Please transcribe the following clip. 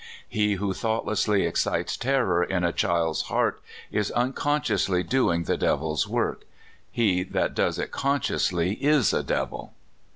He who thoughtlessly excites terror in a child's heart is unconsciously doing the devil's work; he that does it consciously is a devil.